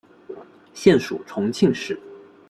现属重庆市。